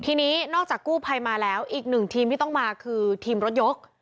ทีนี้นอกจากกู้ภัยมาแล้วอีกหนึ่งทีมที่ต้องมาคือทีมรถยก